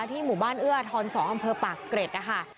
หมู่บ้านเอื้อทร๒อำเภอปากเกร็ดนะคะ